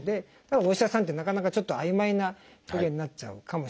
お医者さんってなかなかちょっと曖昧な表現になっちゃうかもしれない。